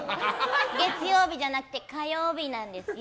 月曜日じゃなくて火曜日なんですよ。